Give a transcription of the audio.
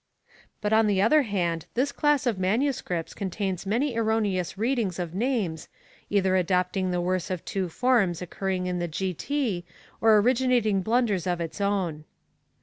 J But on the other hand this class of MSS. contains many erroneous readings of names, either adopting the worse of two forms occurring in the G. T. or originating blunders of its own.